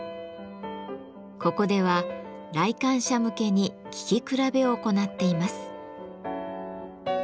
ここでは来館者向けに聴き比べを行っています。